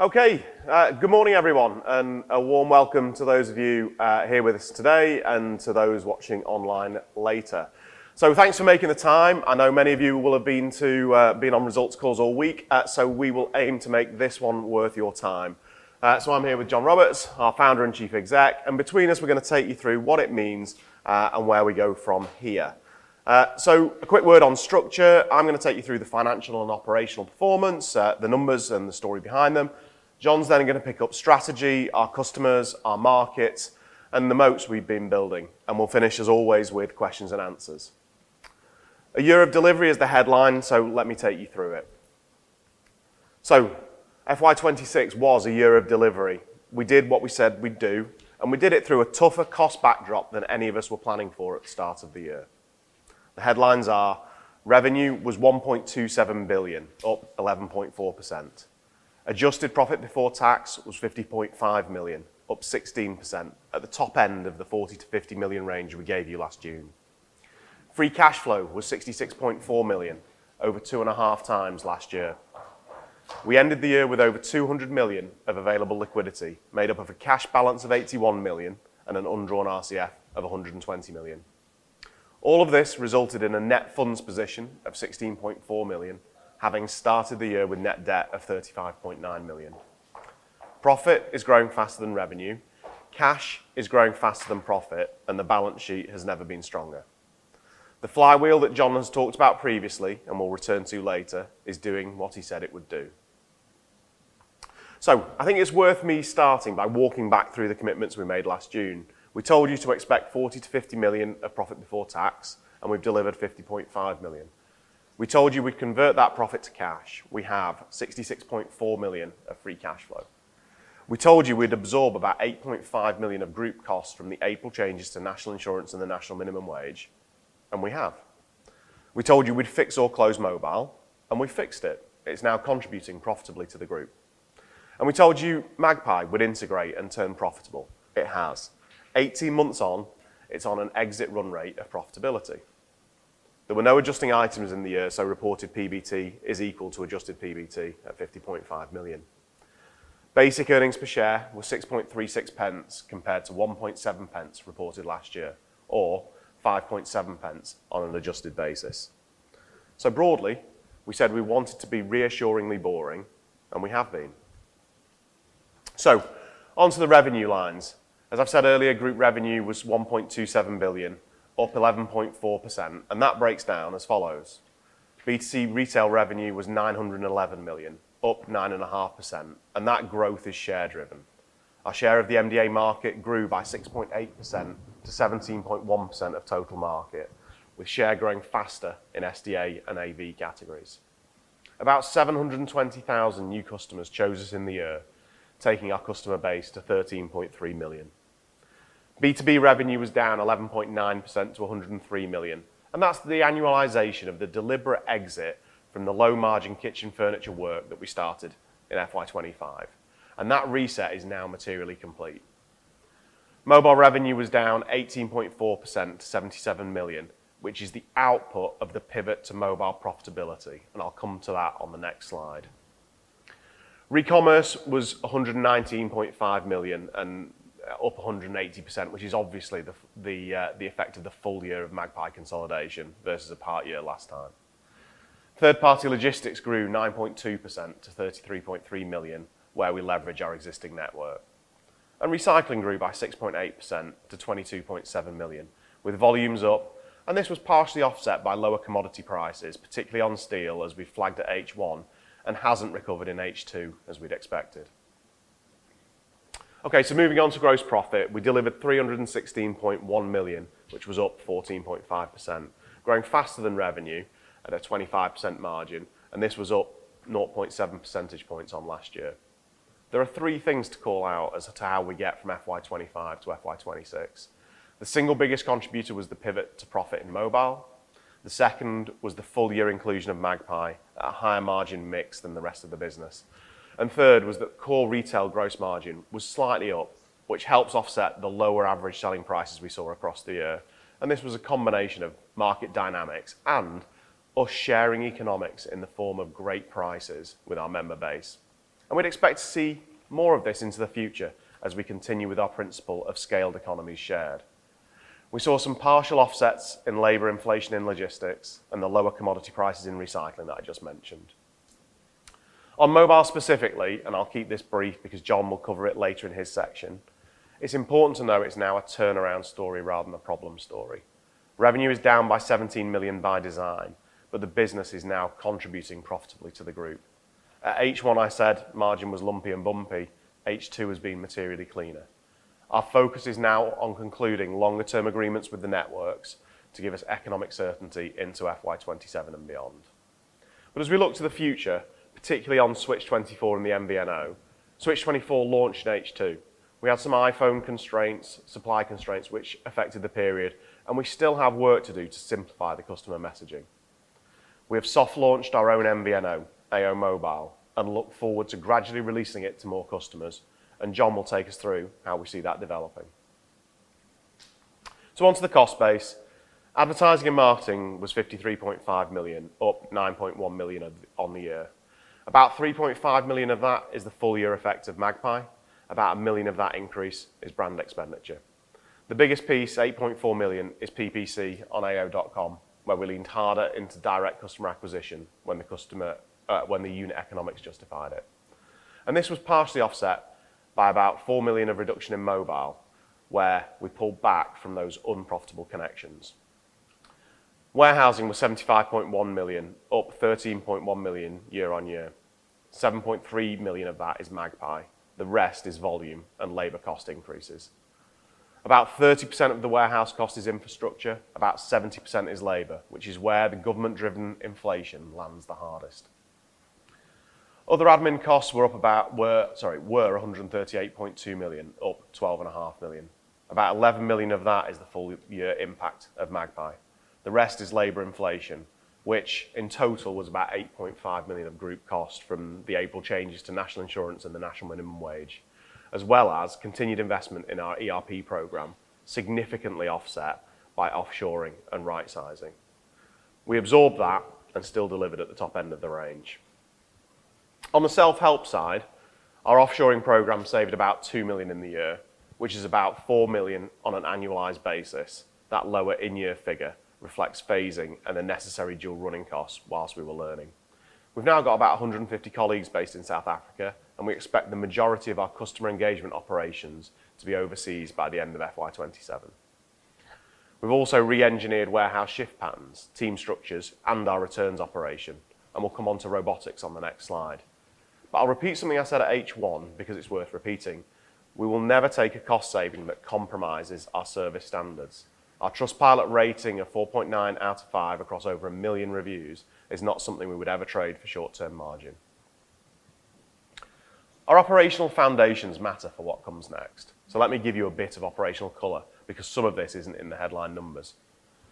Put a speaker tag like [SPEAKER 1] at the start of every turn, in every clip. [SPEAKER 1] Okay. Good morning, everyone, and a warm welcome to those of you here with us today and to those watching online later. Thanks for making the time. I know many of you will have been on results calls all week, so we will aim to make this one worth your time. I'm here with John Roberts, our Founder and Chief Executive, and between us, we're going to take you through what it means and where we go from here. A quick word on structure. I'm going to take you through the financial and operational performance, the numbers and the story behind them. John's going to pick up strategy, our customers, our markets, and the moats we've been building, and we'll finish, as always, with questions and answers. A year of delivery is the headline, let me take you through it. FY 2026 was a year of delivery. We did what we said we'd do, and we did it through a tougher cost backdrop than any of us were planning for at the start of the year. The headlines are; revenue was 1.27 billion, up 11.4%. Adjusted PBT was 50.5 million, up 16%, at the top end of the 40 million-50 million range we gave you last June. Free cash flow was 66.4 million, over two and a half times last year. We ended the year with over 200 million of available liquidity, made up of a cash balance of 81 million and an undrawn RCF of 120 million. All of this resulted in a net funds position of 16.4 million, having started the year with net debt of 35.9 million. Profit is growing faster than revenue, cash is growing faster than profit, the balance sheet has never been stronger. The flywheel that John has talked about previously, we'll return to later, is doing what he said it would do. I think it's worth me starting by walking back through the commitments we made last June. We told you to expect 40 million-50 million of PBT, and we've delivered 50.5 million. We told you we'd convert that profit to cash. We have 66.4 million of free cash flow. We told you we'd absorb about 8.5 million of group costs from the April changes to national insurance and the national minimum wage, we have. We told you we'd fix or close AO Mobile, and we fixed it. It's now contributing profitably to the group. We told you musicMagpie would integrate and turn profitable. It has. Eighteen months on, it's on an exit run rate of profitability. There were no adjusting items in the year, reported PBT is equal to adjusted PBT at 50.5 million. Basic earnings per share were 0.0636 compared to 0.017 reported last year, or 0.057 on an adjusted basis. Broadly, we said we wanted to be reassuringly boring, and we have been. On to the revenue lines. As I've said earlier, group revenue was 1.27 billion, up 11.4%, and that breaks down as follows. B2C retail revenue was 911 million, up 9.5%, and that growth is share driven. Our share of the MDA market grew by 6.8% to 17.1% of total market, with share growing faster in SDA and AV categories. About 720,000 new customers chose us in the year, taking our customer base to 13.3 million. B2B revenue was down 11.9% to 103 million. That's the annualization of the deliberate exit from the low-margin kitchen furniture work that we started in FY 2025. That reset is now materially complete. Mobile revenue was down 18.4% to 77 million, which is the output of the pivot to mobile profitability. I'll come to that on the next slide. Recommerce was 119.5 million and up 180%, which is obviously the effect of the full year of musicMagpie consolidation versus a part year last time. Third-party logistics grew 9.2% to 33.3 million, where we leverage our existing network. Recycling grew by 6.8% to 22.7 million, with volumes up. This was partially offset by lower commodity prices, particularly on steel, as we flagged at H1, and hasn't recovered in H2 as we'd expected. Moving on to gross profit. We delivered 316.1 million, which was up 14.5%, growing faster than revenue at a 25% margin. This was up 0.7 percentage points on last year. There are three things to call out as to how we get from FY 2025 to FY 2026. The single biggest contributor was the pivot to profit in mobile. The second was the full year inclusion of musicMagpie at a higher margin mix than the rest of the business. Third was that core retail gross margin was slightly up, which helps offset the lower average selling prices we saw across the year. This was a combination of market dynamics and us sharing economics in the form of great prices with our member base. We'd expect to see more of this into the future as we continue with our principle of Scale Economics Shared. We saw some partial offsets in labor inflation in logistics and the lower commodity prices in recycling that I just mentioned. On mobile specifically, I'll keep this brief because John will cover it later in his section. It's important to know it's now a turnaround story rather than a problem story. Revenue is down by 17 million by design, but the business is now contributing profitably to the group. At H1, I said margin was lumpy and bumpy. H2 has been materially cleaner. Our focus is now on concluding longer term agreements with the networks to give us economic certainty into FY 2027 and beyond. As we look to the future, particularly on Switch24 and the MVNO, Switch24 launched in H2. We had some iPhone constraints, supply constraints which affected the period. We still have work to do to simplify the customer messaging. We have soft launched our own MVNO, AO Mobile. Look forward to gradually releasing it to more customers. John will take us through how we see that developing. On to the cost base. Advertising and marketing was 53.5 million, up 9.1 million on the year. About 3.5 million of that is the full year effect of musicMagpie. About 1 million of that increase is brand expenditure. The biggest piece, 8.4 million, is PPC on ao.com, where we leaned harder into direct customer acquisition when the unit economics justified it. This was partially offset by about 4 million of reduction in mobile, where we pulled back from those unprofitable connections. Warehousing was 75.1 million, up 13.1 million year on year. 7.3 million of that is musicMagpie. The rest is volume and labor cost increases. About 30% of the warehouse cost is infrastructure, about 70% is labor, which is where the government-driven inflation lands the hardest. Other admin costs were 138.2 million, up 12.5 million. About 11 million of that is the full year impact of musicMagpie. The rest is labor inflation, which in total was about 8.5 million of group cost from the April changes to national insurance and the national minimum wage, as well as continued investment in our ERP program, significantly offset by offshoring and rightsizing. We absorbed that and still delivered at the top end of the range. On the self-help side, our offshoring program saved about 2 million in the year, which is about 4 million on an annualized basis. That lower in-year figure reflects phasing and the necessary dual running costs whilst we were learning. We've now got about 150 colleagues based in South Africa, and we expect the majority of our customer engagement operations to be overseas by the end of FY 2027. I'll repeat something I said at H1 because it's worth repeating. We will never take a cost saving that compromises our service standards. Our Trustpilot rating of 4.9 out of 5 across over a million reviews is not something we would ever trade for short-term margin. Our operational foundations matter for what comes next, so let me give you a bit of operational color because some of this isn't in the headline numbers.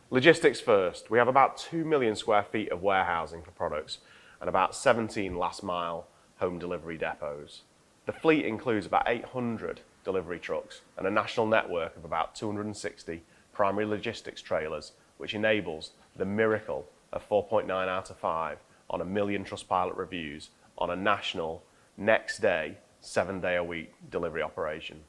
[SPEAKER 1] Logistics first, we have about 2 million sq ft of warehousing for products and about 17 last mile home delivery depots. The fleet includes about 800 delivery trucks and a national network of about 260 primary logistics trailers, which enables the miracle of 4.9 out of 5 on a million Trustpilot reviews on a national next day, seven-day a week delivery operation.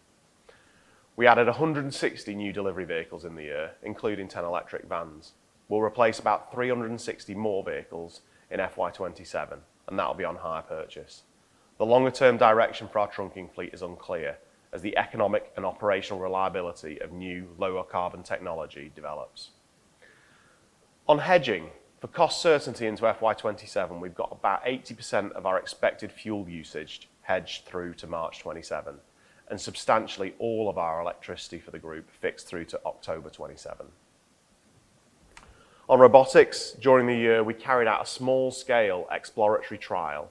[SPEAKER 1] We added 160 new delivery vehicles in the year, including 10 electric vans. We'll replace about 360 more vehicles in FY 2027, and that'll be on hire purchase. The longer term direction for our trunking fleet is unclear, as the economic and operational reliability of new lower carbon technology develops. On hedging, for cost certainty into FY 2027, we've got about 80% of our expected fuel usage hedged through to March 2027, and substantially all of our electricity for the group fixed through to October 2027. On robotics, during the year, we carried out a small scale exploratory trial,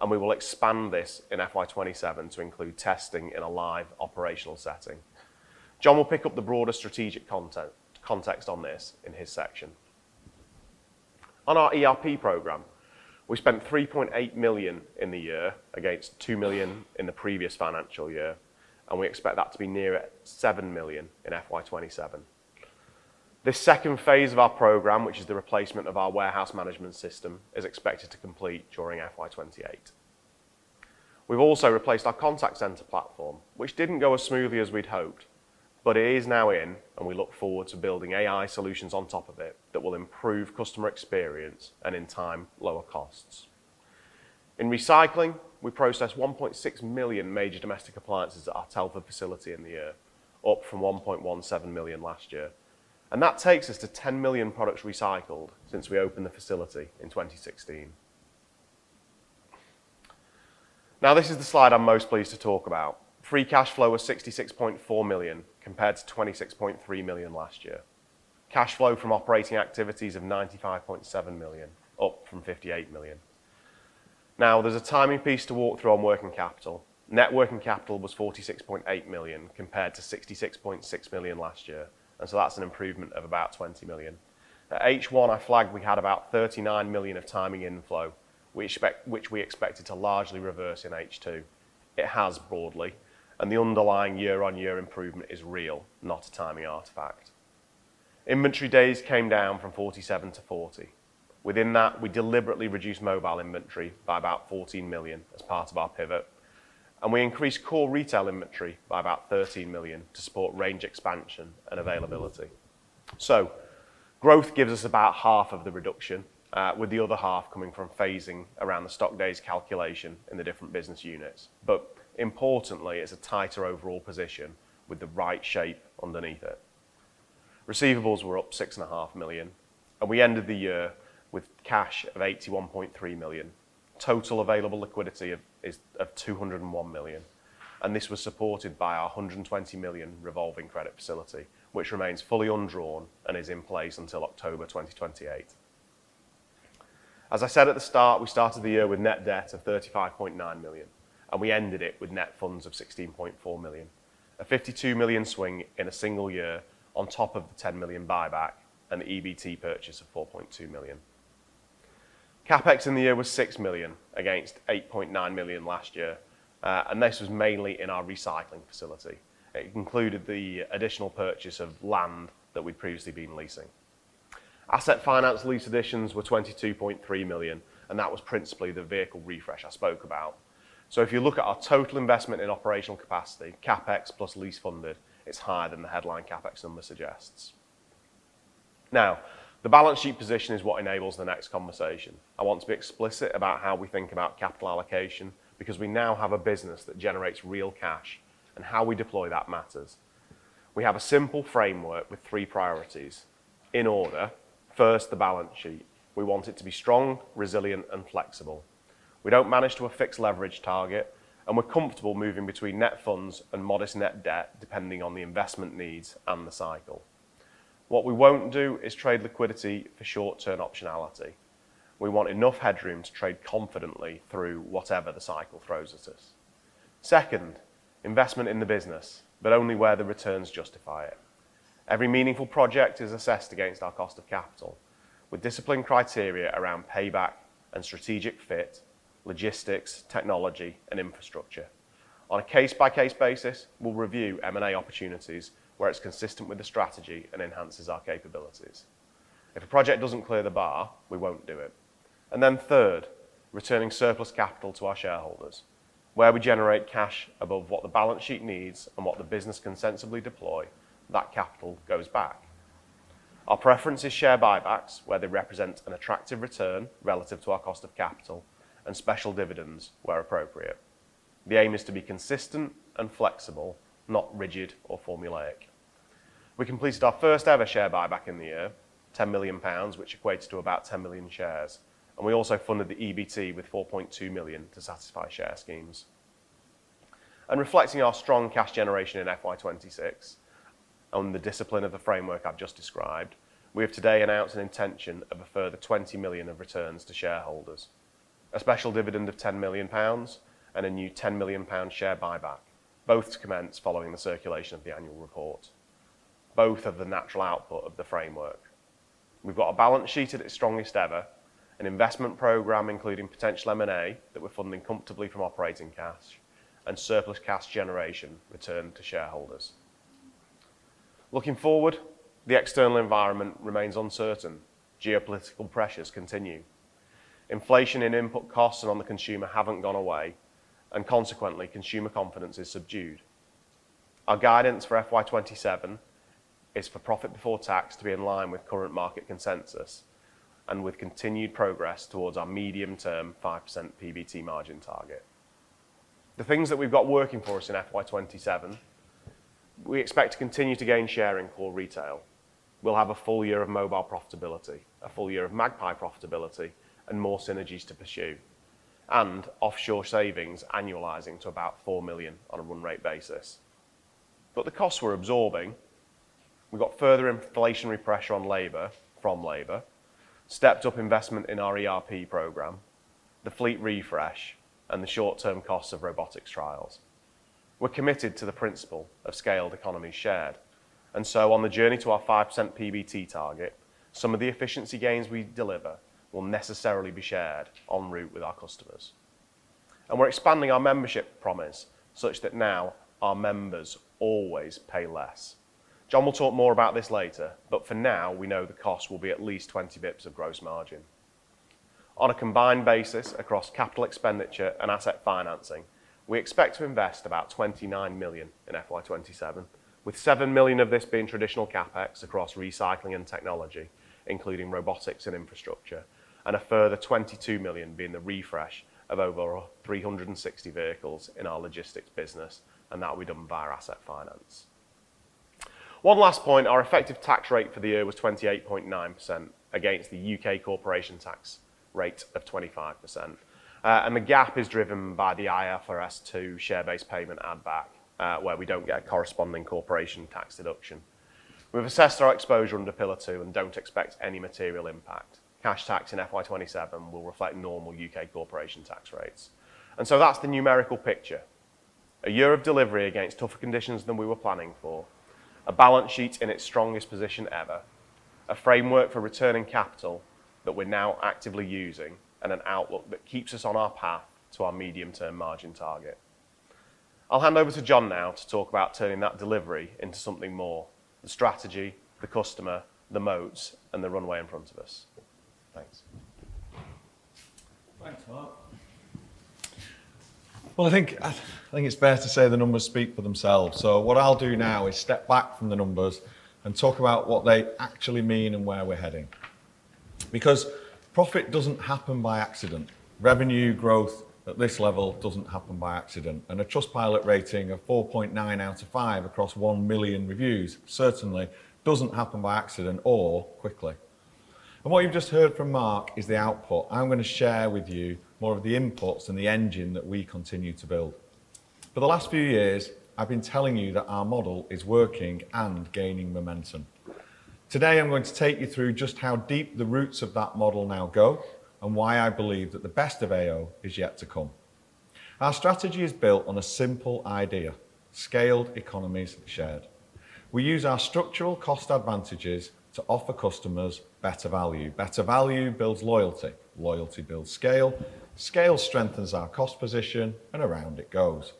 [SPEAKER 1] and we will expand this in FY 2027 to include testing in a live operational setting. John will pick up the broader strategic context on this in his section. On our ERP program, we spent 3.8 million in the year against 2 million in the previous financial year, and we expect that to be near 7 million in FY 2027. This second phase of our program, which is the replacement of our warehouse management system, is expected to complete during FY 2028. We've also replaced our contact center platform, which didn't go as smoothly as we'd hoped, but it is now in, and we look forward to building AI solutions on top of it that will improve customer experience and, in time, lower costs. In recycling, we processed 1.6 million major domestic appliances at our Telford facility in the year, up from 1.17 million last year. That takes us to 10 million products recycled since we opened the facility in 2016. This is the slide I'm most pleased to talk about. Free cash flow of 66.4 million compared to 26.3 million last year. Cash flow from operating activities of 95.7 million, up from 58 million. There's a timing piece to walk through on working capital. Net working capital was 46.8 million compared to 66.6 million last year, that's an improvement of about 20 million. At H1, I flagged we had about 39 million of timing inflow, which we expected to largely reverse in H2. It has broadly, the underlying year-on-year improvement is real, not a timing artifact. Inventory days came down from 47 to 40. Within that, we deliberately reduced mobile inventory by about 14 million as part of our pivot. We increased core retail inventory by about 13 million to support range expansion and availability. Growth gives us about half of the reduction, with the other half coming from phasing around the stock days calculation in the different business units. Importantly, it's a tighter overall position with the right shape underneath it. Receivables were up 6.5 million, and we ended the year with cash of 81.3 million. Total available liquidity is of 201 million. This was supported by our 120 million revolving credit facility, which remains fully undrawn and is in place until October 2028. As I said at the start, we started the year with net debt of 35.9 million. We ended it with net funds of 16.4 million. A 52 million swing in a single year on top of the 10 million buyback. The EBT purchase of 4.2 million. CapEx in the year was 6 million against 8.9 million last year. This was mainly in our recycling facility. It included the additional purchase of land that we'd previously been leasing. Asset finance lease additions were 22.3 million. That was principally the vehicle refresh I spoke about. If you look at our total investment in operational capacity, CapEx plus lease funded is higher than the headline CapEx number suggests. The balance sheet position is what enables the next conversation. I want to be explicit about how we think about capital allocation, because we now have a business that generates real cash, how we deploy that matters. We have a simple framework with three priorities in order. First, the balance sheet. We want it to be strong, resilient, and flexible. We don't manage to a fixed leverage target. We're comfortable moving between net funds and modest net debt, depending on the investment needs and the cycle. What we won't do is trade liquidity for short-term optionality. We want enough headroom to trade confidently through whatever the cycle throws at us. Second, investment in the business, only where the returns justify it. Every meaningful project is assessed against our cost of capital with discipline criteria around payback, strategic fit, logistics, technology, infrastructure. On a case-by-case basis, we'll review M&A opportunities where it's consistent with the strategy, enhances our capabilities. If a project doesn't clear the bar, we won't do it. Third, returning surplus capital to our shareholders, where we generate cash above what the balance sheet needs and what the business can sensibly deploy, that capital goes back. Our preference is share buybacks where they represent an attractive return relative to our cost of capital and special dividends where appropriate. The aim is to be consistent and flexible, not rigid or formulaic. We completed our first ever share buyback in the year, 10 million pounds, which equates to about 10 million shares, and we also funded the EBT with 4.2 million to satisfy share schemes. Reflecting our strong cash generation in FY 2026 on the discipline of the framework I've just described, we have today announced an intention of a further 20 million of returns to shareholders, a special dividend of 10 million pounds. A new 10 million pound share buyback, both to commence following the circulation of the annual report, both of the natural output of the framework. We've got a balance sheet at its strongest ever, an investment program including potential M&A that we're funding comfortably from operating cash, and surplus cash generation returned to shareholders. Looking forward, the external environment remains uncertain. Geopolitical pressures continue. Inflation in input costs and on the consumer haven't gone away, and consequently, consumer confidence is subdued. Our guidance for FY 2027 is for profit before tax to be in line with current market consensus and with continued progress towards our medium-term 5% PBT margin target. The things that we've got working for us in FY 2027, we expect to continue to gain share in core retail. We'll have a full year of mobile profitability, a full year of musicMagpie profitability, and more synergies to pursue, and offshore savings annualizing to about 4 million on a run rate basis. The costs we're absorbing, we've got further inflationary pressure on labor from labor, stepped up investment in our ERP program, the fleet refresh, and the short-term costs of robotics trials. We're committed to the principle of Scale Economics Shared, so on the journey to our 5% PBT target, some of the efficiency gains we deliver will necessarily be shared en route with our customers. We're expanding our membership promise such that now our members always pay less. John will talk more about this later, for now, we know the cost will be at least 20 basis points of gross margin. On a combined basis across capital expenditure and asset financing, we expect to invest about 29 million in FY 2027, with 7 million of this being traditional CapEx across recycling and technology, including robotics and infrastructure, and a further 22 million being the refresh of over 360 vehicles in our logistics business, and that will be done via our asset finance. One last point, our effective tax rate for the year was 28.9% against the U.K. corporation tax rate of 25%, the gap is driven by the IFRS 2 share-based payment add back, where we don't get a corresponding corporation tax deduction. We've assessed our exposure under Pillar 2 and don't expect any material impact. Cash tax in FY 2027 will reflect normal U.K. corporation tax rates. That's the numerical picture. A year of delivery against tougher conditions than we were planning for, a balance sheet in its strongest position ever, a framework for returning capital that we're now actively using, and an outlook that keeps us on our path to our medium-term margin target. I'll hand over to John now to talk about turning that delivery into something more, the strategy, the customer, the moats, and the runway in front of us. Thanks.
[SPEAKER 2] Thanks, Mark. Well, I think it's fair to say the numbers speak for themselves. What I'll do now is step back from the numbers and talk about what they actually mean and where we're heading. Profit doesn't happen by accident. Revenue growth at this level doesn't happen by accident, and a Trustpilot rating of 4.9 out of 5 across 1 million reviews certainly doesn't happen by accident or quickly. What you've just heard from Mark is the output. I'm going to share with you more of the inputs and the engine that we continue to build. For the last few years, I've been telling you that our model is working and gaining momentum. Today, I'm going to take you through just how deep the roots of that model now go and why I believe that the best of AO is yet to come. Our strategy is built on a simple idea, Scale Economics Shared. We use our structural cost advantages to offer customers better value. Better value builds loyalty. Loyalty builds scale. Scale strengthens our cost position and around it goes.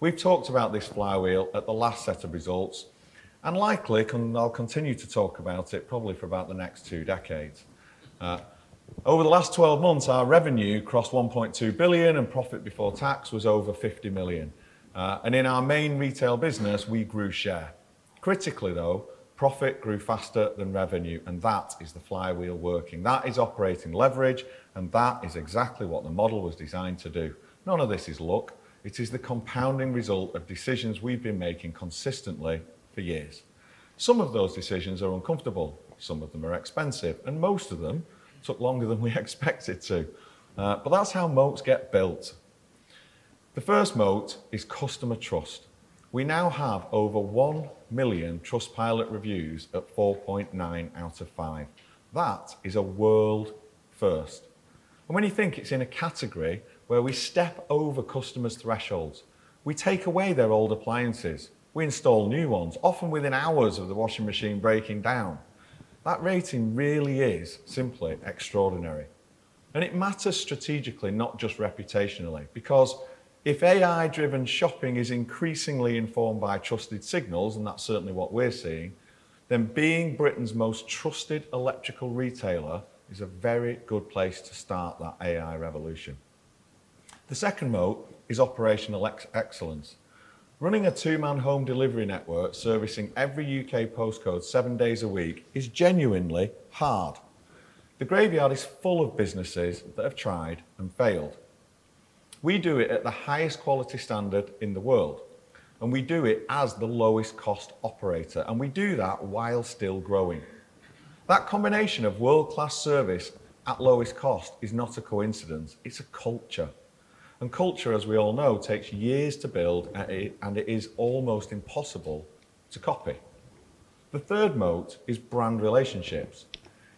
[SPEAKER 2] We've talked about this flywheel at the last set of results, and likely can, I'll continue to talk about it probably for about the next two decades. Over the last 12 months, our revenue crossed 1.2 billion and profit before tax was over 50 million. In our main retail business, we grew share. Critically though, profit grew faster than revenue, and that is the flywheel working. That is operating leverage, and that is exactly what the model was designed to do. None of this is luck. It is the compounding result of decisions we've been making consistently for years. Some of those decisions are uncomfortable, some of them are expensive, and most of them took longer than we expected to. That's how moats get built. The first moat is customer trust. We now have over 1 million Trustpilot reviews at 4.9 out of 5. That is a world first. When you think it's in a category where we step over customers' thresholds, we take away their old appliances, we install new ones, often within hours of the washing machine breaking down. That rating really is simply extraordinary, and it matters strategically, not just reputationally, because if AI-driven shopping is increasingly informed by trusted signals, and that's certainly what we're seeing, then being Britain's most trusted electrical retailer is a very good place to start that AI revolution. The second moat is operational excellence. Running a two-man home delivery network servicing every U.K. postcode seven days a week is genuinely hard. The graveyard is full of businesses that have tried and failed. We do it at the highest quality standard in the world, and we do it as the lowest cost operator, and we do that while still growing. That combination of world-class service at lowest cost is not a coincidence. It's a culture. Culture, as we all know, takes years to build, and it is almost impossible to copy. The third moat is brand relationships.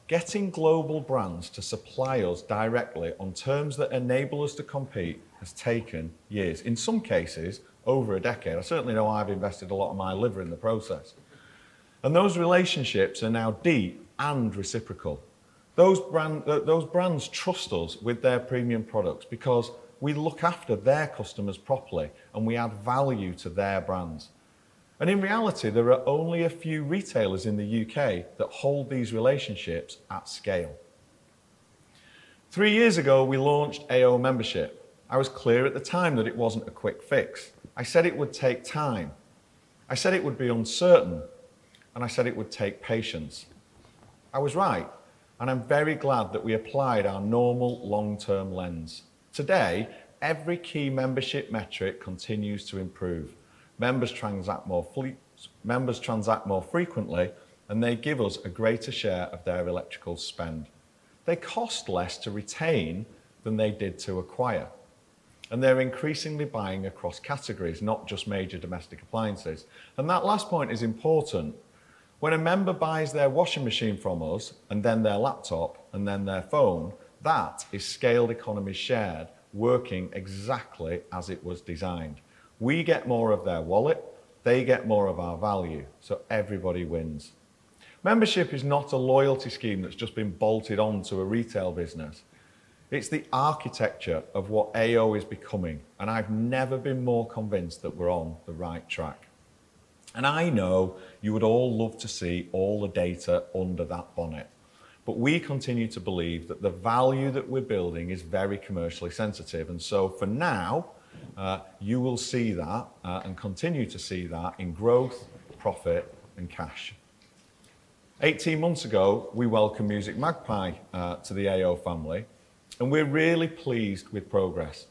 [SPEAKER 2] Getting global brands to supply us directly on terms that enable us to compete has taken years, in some cases over a decade. I certainly know I've invested a lot of my liver in the process. Those relationships are now deep and reciprocal. Those brands trust us with their premium products because we look after their customers properly and we add value to their brands. In reality, there are only a few retailers in the U.K. that hold these relationships at scale. Three years ago, we launched AO Membership. I was clear at the time that it wasn't a quick fix. I said it would take time. I said it would be uncertain, and I said it would take patience. I was right, and I'm very glad that we applied our normal long-term lens. Today, every key membership metric continues to improve. Members transact more frequently, and they give us a greater share of their electrical spend. They cost less to retain than they did to acquire, and they're increasingly buying across categories, not just major domestic appliances. That last point is important. When a member buys their washing machine from us and then their laptop and then their phone, that is Scale Economics Shared working exactly as it was designed. We get more of their wallet, they get more of our value, everybody wins. Membership is not a loyalty scheme that's just been bolted onto a retail business. It's the architecture of what AO is becoming, and I've never been more convinced that we're on the right track. I know you would all love to see all the data under that bonnet, but we continue to believe that the value that we're building is very commercially sensitive. For now, you will see that, and continue to see that in growth, profit, and cash. 18 months ago, we welcomed musicMagpie to the AO family, and we're really pleased with progress.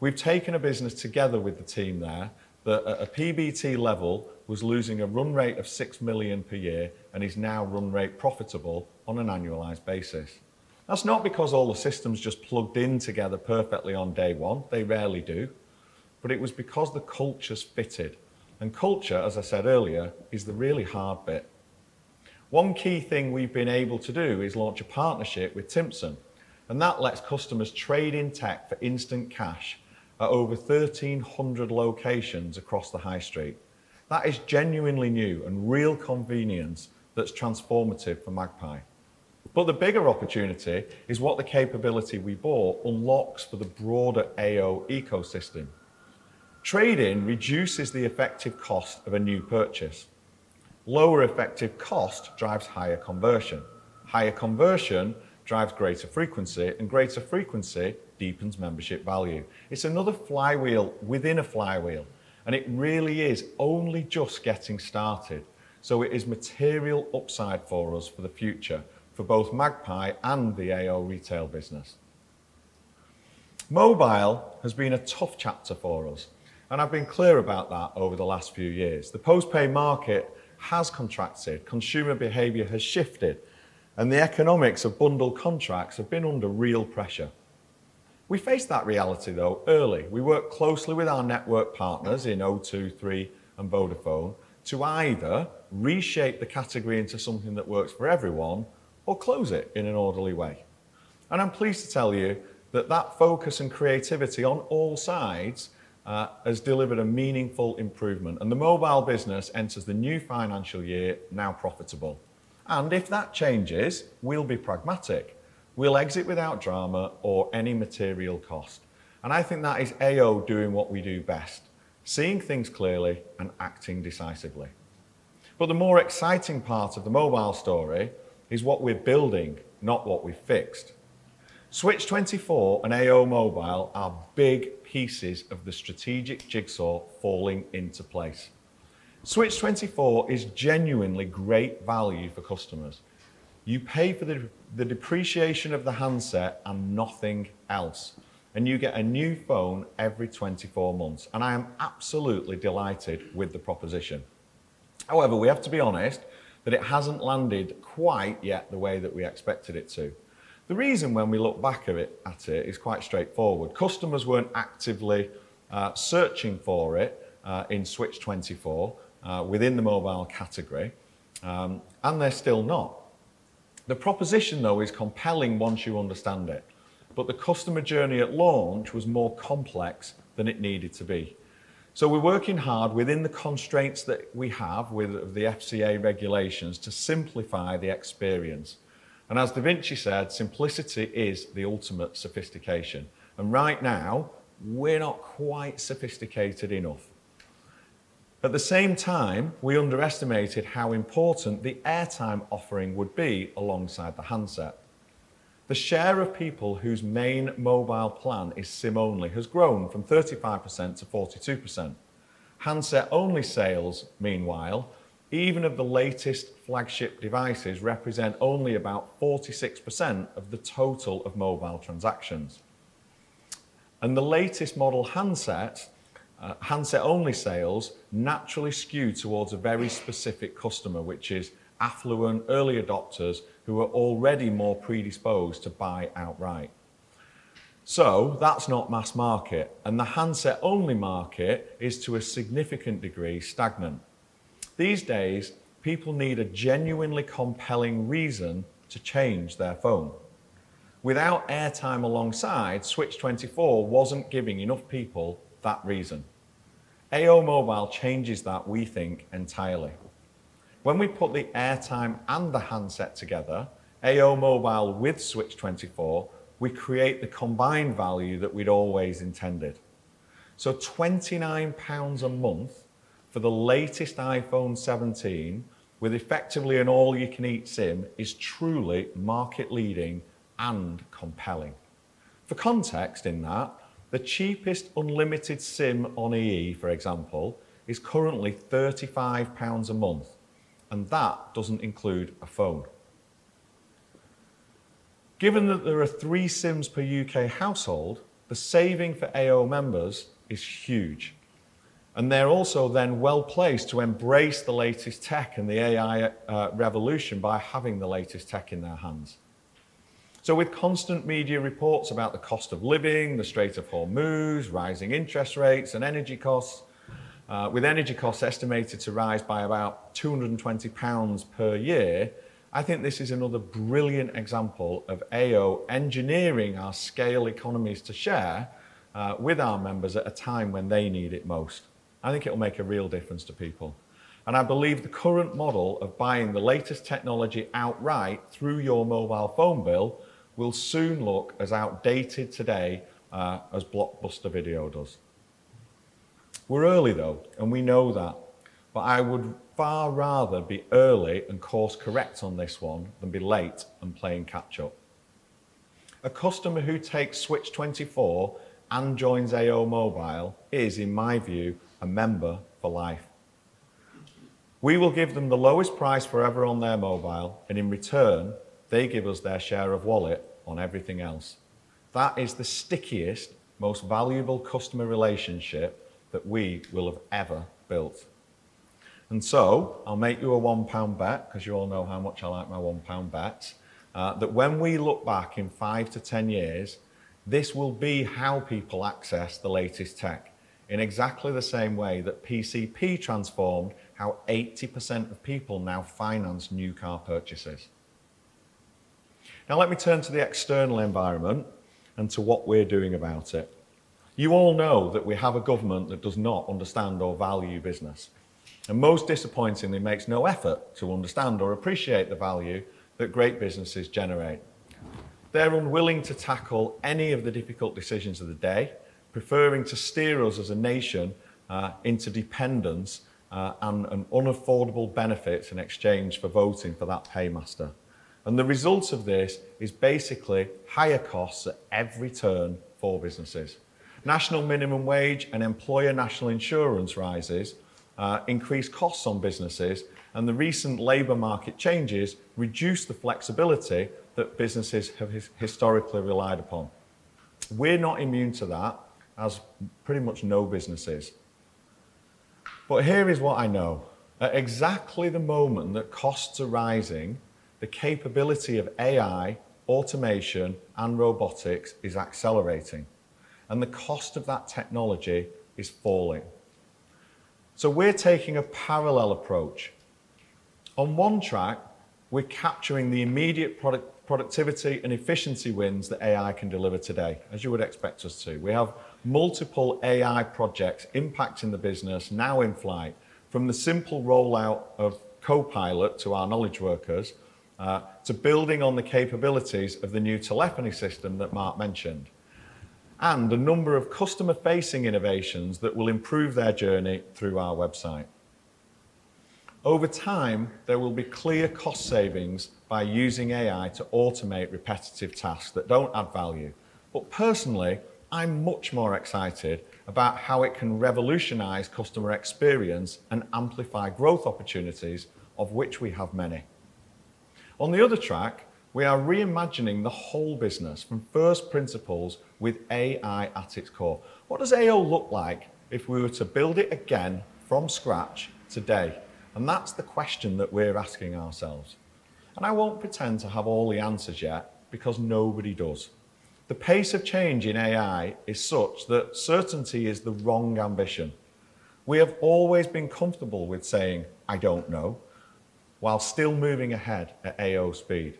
[SPEAKER 2] We've taken a business together with the team there that at a PBT level was losing a run rate of 6 million per year and is now run rate profitable on an annualized basis. That's not because all the systems just plugged in together perfectly on day one. They rarely do. It was because the cultures fitted. Culture, as I said earlier, is the really hard bit. One key thing we've been able to do is launch a partnership with Timpson, and that lets customers trade in tech for instant cash at over 1,300 locations across the High Street. That is genuinely new and real convenience that's transformative for Magpie. The bigger opportunity is what the capability we bought unlocks for the broader AO ecosystem. Trade-in reduces the effective cost of a new purchase. Lower effective cost drives higher conversion. Higher conversion drives greater frequency, and greater frequency deepens membership value. It's another flywheel within a flywheel, and it really is only just getting started, so it is material upside for us for the future for both Magpie and the AO retail business. Mobile has been a tough chapter for us, and I've been clear about that over the last few years. The post-pay market has contracted, consumer behavior has shifted, and the economics of bundled contracts have been under real pressure. We faced that reality though early. We worked closely with our network partners in O2, Three, and Vodafone to either reshape the category into something that works for everyone or close it in an orderly way. I'm pleased to tell you that focus and creativity on all sides has delivered a meaningful improvement, and the mobile business enters the new financial year now profitable. If that changes, we'll be pragmatic. We'll exit without drama or any material cost. I think that is AO doing what we do best, seeing things clearly and acting decisively. The more exciting part of the mobile story is what we're building, not what we've fixed. Switch24 and AO Mobile are big pieces of the strategic jigsaw falling into place. Switch24 is genuinely great value for customers. You pay for the depreciation of the handset and nothing else, and you get a new phone every 24 months, and I am absolutely delighted with the proposition. However, we have to be honest that it hasn't landed quite yet the way that we expected it to. The reason, when we look back at it, is quite straightforward. Customers weren't actively searching for it in Switch24 within the mobile category, and they're still not. The proposition, though, is compelling once you understand it, but the customer journey at launch was more complex than it needed to be. So we're working hard within the constraints that we have with the FCA regulations to simplify the experience. As Da Vinci said, "Simplicity is the ultimate sophistication." Right now, we're not quite sophisticated enough. At the same time, we underestimated how important the airtime offering would be alongside the handset. The share of people whose main mobile plan is SIM-only has grown from 35% to 42%. Handset-only sales, meanwhile, even of the latest flagship devices, represent only about 46% of the total of mobile transactions. The latest model handset-only sales naturally skew towards a very specific customer, which is affluent early adopters who are already more predisposed to buy outright. That's not mass market, and the handset-only market is, to a significant degree, stagnant. These days, people need a genuinely compelling reason to change their phone. Without airtime alongside, Switch24 wasn't giving enough people that reason. AO Mobile changes that, we think, entirely. When we put the airtime and the handset together, AO Mobile with Switch24, we create the combined value that we'd always intended. So 29 pounds a month for the latest iPhone 17 with effectively an all you can eat SIM is truly market leading and compelling. For context in that, the cheapest unlimited SIM on EE, for example, is currently 35 pounds a month, and that doesn't include a phone. Given that there are three SIMs per U.K. household, the saving for AO members is huge, and they're also then well-placed to embrace the latest tech and the AI revolution by having the latest tech in their hands. With constant media reports about the cost of living, the rate of home moves, rising interest rates, and energy costs, with energy costs estimated to rise by about 220 pounds per year, I think this is another brilliant example of AO engineering our Scale Economics Shared with our members at a time when they need it most. I think it will make a real difference to people, and I believe the current model of buying the latest technology outright through your mobile phone bill will soon look as outdated today as Blockbuster Video does. We're early though, and we know that, but I would far rather be early and course correct on this one than be late and playing catch up. A customer who takes Switch24 and joins AO Mobile is, in my view, a member for life. We will give them the lowest price forever on their mobile, and in return, they give us their share of wallet on everything else. That is the stickiest, most valuable customer relationship that we will have ever built. I'll make you a 1 pound bet because you all know how much I like my 1 pound bets, that when we look back in five to 10 years, this will be how people access the latest tech in exactly the same way that PCP transformed how 80% of people now finance new car purchases. Let me turn to the external environment and to what we're doing about it. You all know that we have a government that does not understand or value business, and most disappointingly, makes no effort to understand or appreciate the value that great businesses generate. They're unwilling to tackle any of the difficult decisions of the day, preferring to steer us as a nation into dependence, and unaffordable benefits in exchange for voting for that paymaster. The result of this is basically higher costs at every turn for businesses. National minimum wage and employer national insurance rises increase costs on businesses, and the recent labor market changes reduce the flexibility that businesses have historically relied upon. We're not immune to that, as pretty much no business is. Here is what I know. At exactly the moment that costs are rising, the capability of AI, automation, and robotics is accelerating, and the cost of that technology is falling. We're taking a parallel approach. On one track, we're capturing the immediate productivity and efficiency wins that AI can deliver today, as you would expect us to. We have multiple AI projects impacting the business now in flight, from the simple rollout of Copilot to our knowledge workers, to building on the capabilities of the new telephony system that Mark mentioned, and a number of customer-facing innovations that will improve their journey through our website. Over time, there will be clear cost savings by using AI to automate repetitive tasks that don't add value. Personally, I'm much more excited about how it can revolutionize customer experience and amplify growth opportunities, of which we have many. On the other track, we are reimagining the whole business from first principles with AI at its core. What does AO look like if we were to build it again from scratch today? That's the question that we're asking ourselves, and I won't pretend to have all the answers yet, because nobody does. The pace of change in AI is such that certainty is the wrong ambition. We have always been comfortable with saying, "I don't know," while still moving ahead at AO speed.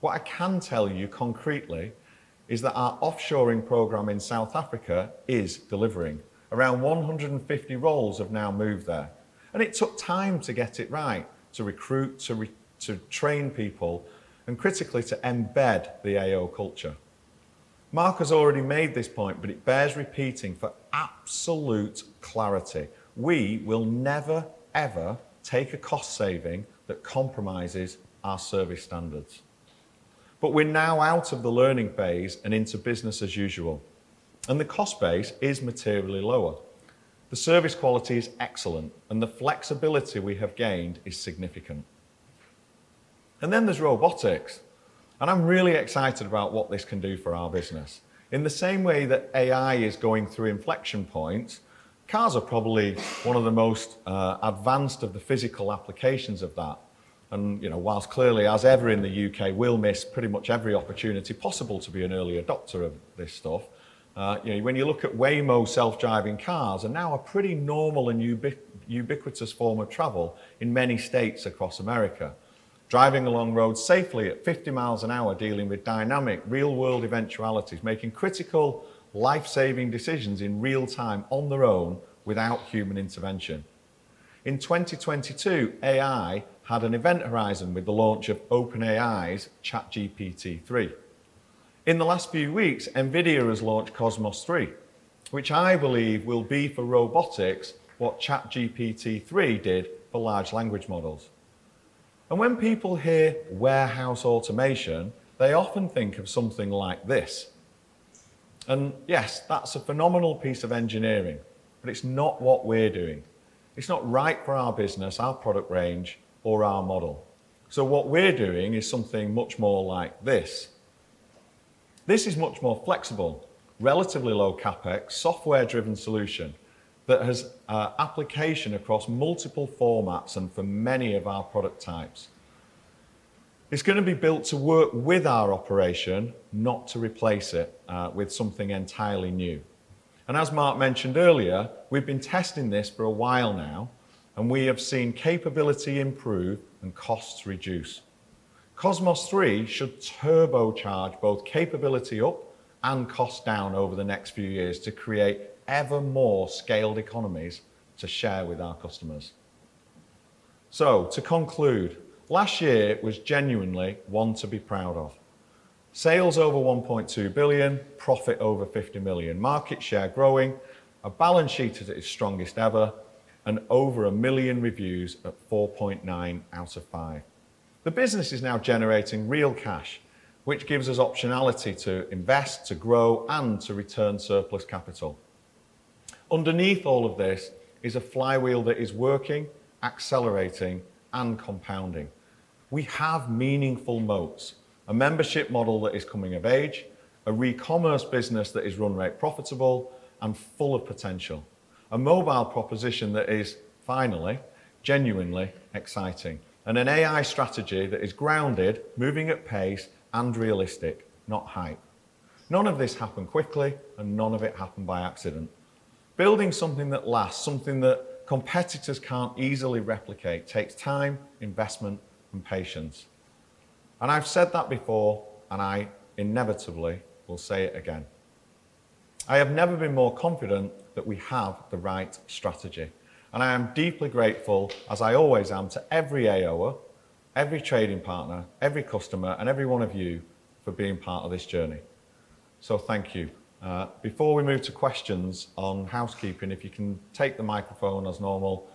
[SPEAKER 2] What I can tell you concretely is that our offshoring program in South Africa is delivering. Around 150 roles have now moved there, and it took time to get it right, to recruit, to train people, and critically, to embed the AO culture. Mark has already made this point, but it bears repeating for absolute clarity. We will never, ever take a cost saving that compromises our service standards. We're now out of the learning phase and into business as usual, and the cost base is materially lower. The service quality is excellent, and the flexibility we have gained is significant. Then there's robotics, and I'm really excited about what this can do for our business. In the same way that AI is going through inflection points, cars are probably one of the most advanced of the physical applications of that. Whilst clearly, as ever in the U.K., we'll miss pretty much every opportunity possible to be an early adopter of this stuff. When you look at Waymo, self-driving cars are now a pretty normal and ubiquitous form of travel in many states across America, driving along roads safely at 50 miles an hour, dealing with dynamic, real world eventualities, making critical life-saving decisions in real time on their own, without human intervention. In 2022, AI had an event horizon with the launch of OpenAI's ChatGPT-3. In the last few weeks, Nvidia has launched Cosmos 3, which I believe will be for robotics what ChatGPT-3 did for large language models. When people hear warehouse automation, they often think of something like this. Yes, that's a phenomenal piece of engineering, but it's not what we're doing. It's not right for our business, our product range, or our model. What we're doing is something much more like this. This is much more flexible, relatively low CapEx, software-driven solution that has application across multiple formats and for many of our product types. It's going to be built to work with our operation, not to replace it with something entirely new. As Mark mentioned earlier, we've been testing this for a while now, and we have seen capability improve and costs reduce. Cosmos 3 should turbocharge both capability up and cost down over the next few years to create ever more scaled economies to share with our customers. To conclude, last year was genuinely one to be proud of. Sales over 1.2 billion, profit over 50 million, market share growing, our balance sheet at its strongest ever, and over a million reviews at 4.9 out of five. The business is now generating real cash, which gives us optionality to invest, to grow, and to return surplus capital. Underneath all of this is a flywheel that is working, accelerating, and compounding. We have meaningful moats, a membership model that is coming of age, a recommerce business that is run rate profitable and full of potential. A mobile proposition that is finally genuinely exciting, and an AI strategy that is grounded, moving at pace, and realistic, not hype. None of this happened quickly, and none of it happened by accident. Building something that lasts, something that competitors can't easily replicate, takes time, investment, and patience. I've said that before, and I inevitably will say it again. I have never been more confident that we have the right strategy, and I am deeply grateful, as I always am, to every AOer, every trading partner, every customer, and every one of you for being part of this journey. Thank you. Before we move to questions, on housekeeping, if you can take the microphone as normal.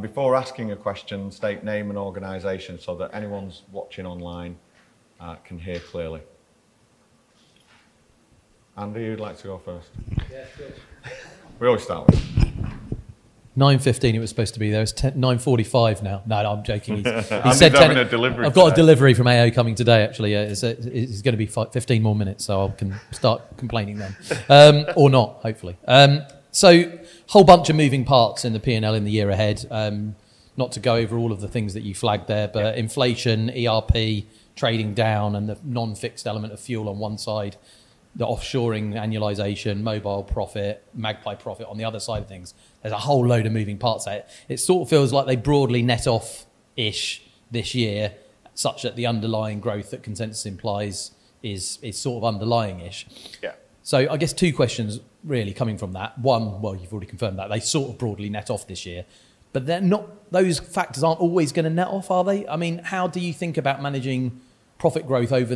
[SPEAKER 2] Before asking a question, state name and organization so that anyone's watching online can hear clearly. Andy, you'd like to go first?
[SPEAKER 3] Yes, please.
[SPEAKER 2] We always start with you.
[SPEAKER 3] 9:15 A.M. it was supposed to be. There is 9:45 A.M. now. No, I am joking.
[SPEAKER 2] Andy is having a delivery.
[SPEAKER 3] I have got a delivery from AO coming today, actually. It is going to be 15 more minutes, so I can start complaining then. Or not, hopefully. A whole bunch of moving parts in the P&L in the year ahead. Not to go over all of the things that you flagged there, but inflation, ERP, trading down, and the non-fixed element of fuel on one side, the offshoring, annualization, mobile profit, musicMagpie profit on the other side of things. There is a whole load of moving parts there. It feels like they broadly net off-ish this year, such that the underlying growth that consensus implies is underlying-ish. I guess two questions really coming from that. One, well, you have already confirmed that they sort of broadly net off this year, those factors are not always going to net off, are they? How do you think about managing profit growth over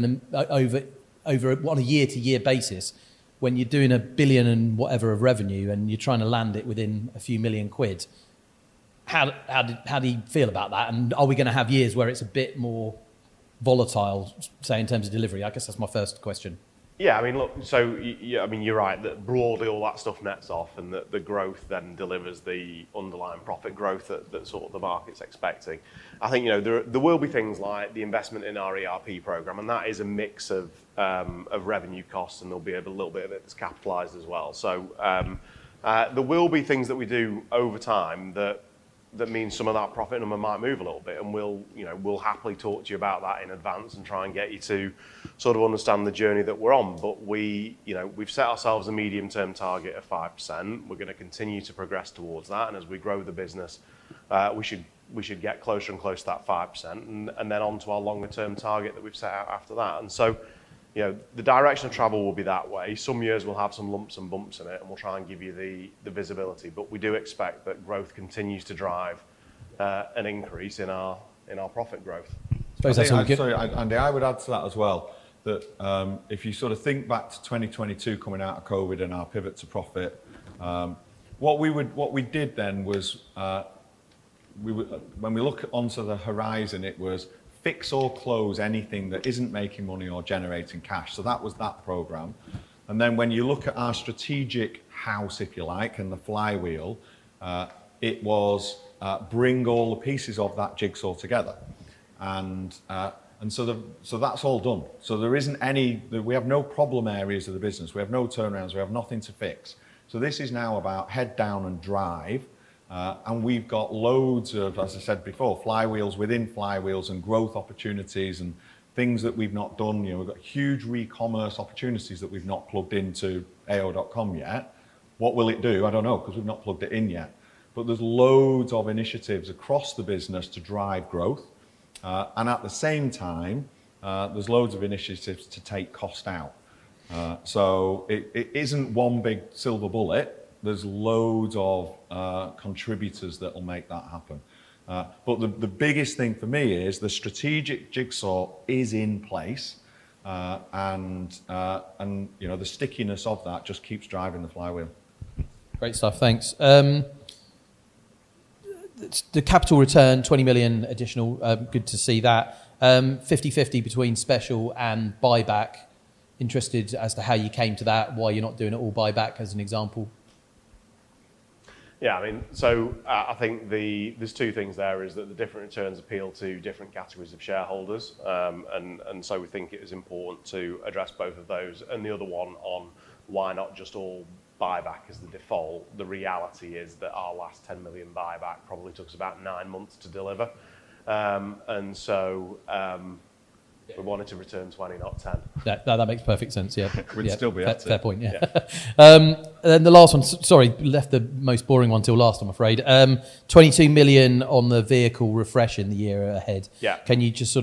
[SPEAKER 3] on a year-to-year basis when you are doing a 1 billion and whatever of revenue and you are trying to land it within a few million GBP? How do you feel about that, are we going to have years where it is a bit more volatile, say, in terms of delivery? I guess that is my first question.
[SPEAKER 1] Yeah. Look, you're right, that broadly all that stuff nets off and that the growth then delivers the underlying profit growth that the market's expecting. I think there will be things like the investment in our ERP program, and that is a mix of revenue costs, and there'll be a little bit of it that's capitalized as well. There will be things that we do over time that means some of that profit number might move a little bit, and we'll happily talk to you about that in advance and try and get you to understand the journey that we're on. We've set ourselves a medium-term target of 5%. We're going to continue to progress towards that. As we grow the business, we should get closer and closer to that 5%, and then on to our longer-term target that we've set out after that. The direction of travel will be that way. Some years we'll have some lumps and bumps in it and we'll try and give you the visibility. We do expect that growth continues to drive an increase in our profit growth.
[SPEAKER 3] Thanks. That's all good.
[SPEAKER 2] Sorry, Andy, I would add to that as well, that if you think back to 2022, coming out of COVID and our pivot to profit, what we did then was when we look onto the horizon, it was fix or close anything that isn't making money or generating cash. That was that program. When you look at our strategic house, if you like, and the flywheel, it was bring all the pieces of that jigsaw together. That's all done. We have no problem areas of the business. We have no turnarounds. We have nothing to fix. This is now about head down and drive. We've got loads of, as I said before, flywheels within flywheels and growth opportunities and things that we've not done. We've got huge recommerce opportunities that we've not plugged into ao.com yet. What will it do? I don't know, because we've not plugged it in yet. There's loads of initiatives across the business to drive growth. At the same time, there's loads of initiatives to take cost out. It isn't one big silver bullet. There's loads of contributors that will make that happen. The biggest thing for me is the strategic jigsaw is in place, and the stickiness of that just keeps driving the flywheel.
[SPEAKER 3] Great stuff. Thanks. The capital return, 20 million additional, good to see that. 50/50 between special and buyback. Interested as to how you came to that, why you're not doing it all buyback, as an example.
[SPEAKER 1] Yeah. I think there's two things there, is that the different returns appeal to different categories of shareholders. We think it is important to address both of those. The other one on why not just all buyback as the default. The reality is that our last 10 million buyback probably took us about nine months to deliver. We wanted to return 20, not 10.
[SPEAKER 3] Yeah. That makes perfect sense. Yeah.
[SPEAKER 1] We'd still be at it.
[SPEAKER 3] That's a fair point, yeah. The last one, sorry, left the most boring one till last, I'm afraid. 22 million on the vehicle refresh in the year ahead. Can you just